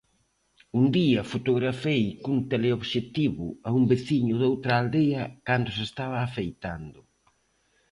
Un día fotografei cun teleobxectivo a un veciño doutra aldea cando se estaba afeitando.